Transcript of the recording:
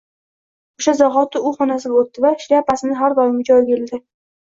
O`sha zahoti u xonasiga o`tdi va shlyapasini har doimgi joyiga ildi